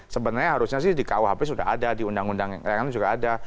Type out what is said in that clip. sebenarnya harusnya sih di kuhp sudah ada di undang undang yang lain juga ada